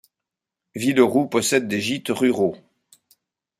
Villeroux possède des gîtes ruraux.